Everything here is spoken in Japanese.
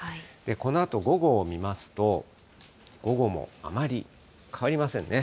このあと午後を見ますと、午後もあまり変わりませんね。